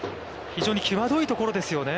非常に際どいところですよね。